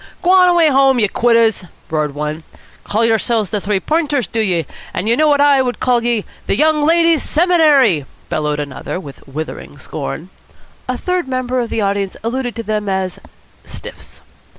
"G'wan away home, ye quitters!" roared one. "Call yersilves the Three Points, do ye? An' would ye know what I call ye? The Young Ladies' Seminary!" bellowed another with withering scorn. A third member of the audience alluded to them as "stiffs."